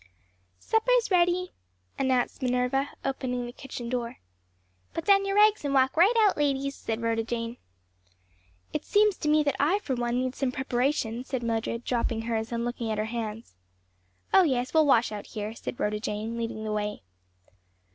"Supper's ready," announced Minerva, opening the kitchen door. "Put down your rags and walk right out, ladies," said Rhoda Jane. "It seems to me that I, for one, need some preparation," said Mildred, dropping hers and looking at her hands. "Oh yes, we'll wash out here," said Rhoda Jane, leading the way.